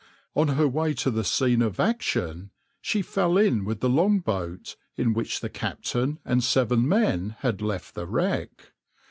On her way to the scene of action she fell in with the long boat in which the captain and seven men had left the wreck.